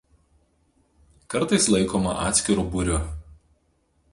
Kartais laikoma atskiru būriu.